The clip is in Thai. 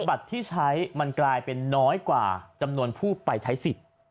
บัตรที่ใช้มันกลายเป็นน้อยกว่าจำนวนผู้ไปใช้สิทธิ์